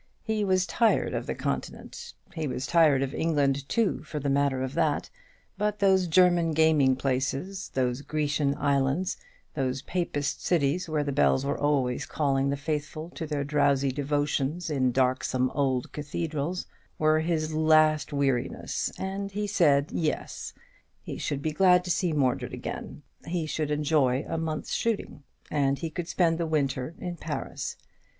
He was tired of the Cantinent; he was tired of England too, for the matter of that; but those German gaming places, those Grecian islands, those papist cities where the bells were always calling the faithful to their drowsy devotions in darksome old cathedrals, were his last weariness, and he said, Yes; he should be glad to see Mordred again; he should enjoy a month's shooting; and he could spend the winter in Paris.